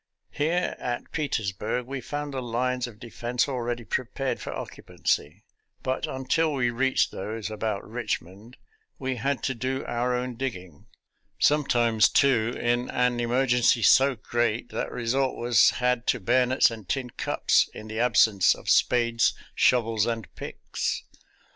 Here at Pe tersburg we found the lines of defense already prepared for occupancy, but until we reached those about Richmond we had to do our own dig ging; sometimes, too, in an emergency so great that resort was had to bayonets and tin cups, in the absence of spades, shovels, and picks.